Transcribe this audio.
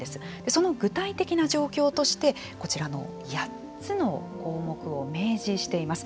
その具体的な状況としてこちらの８つの項目を明示しています。